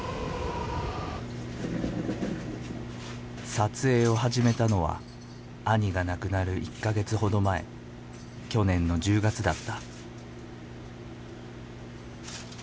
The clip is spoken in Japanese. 撮影を始めたのは兄が亡くなる１か月ほど前去年の１０月だった。